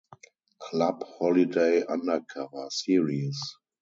Club Holiday Undercover series.